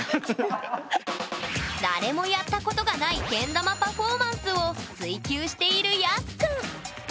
誰もやったことがないけん玉パフォーマンスを追究しているＹＡＳＵくん。